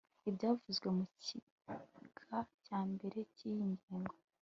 Ibyavuzwe mu gika cya mbere cy iyi ngingo